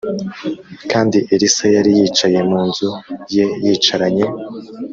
Kandi Elisa Yari Yicaye Mu Nzu Ye Yicaranye